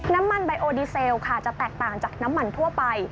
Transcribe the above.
ไบโอดีเซลค่ะจะแตกต่างจากน้ำมันทั่วไป